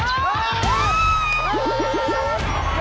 โอ้โฮโอ้โฮโอ้โฮ